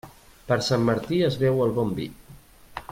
Per Sant Martí es beu el bon vi.